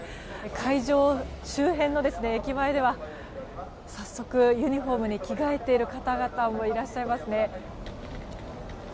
会場周辺の駅前では早速、ユニホームに着替えている方々もいらっしゃいますね。